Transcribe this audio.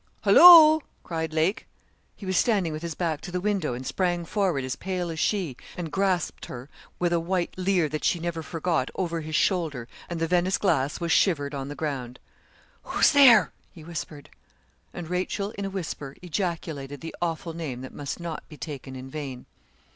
'Hollo!' cried Lake. He was standing with his back to the window, and sprang forward, as pale as she, and grasped her, with a white leer that she never forgot, over his shoulder, and the Venice glass was shivered on the ground. 'Who's there?' he whispered. And Rachel, in a whisper, ejaculated the awful name that must not be taken in vain.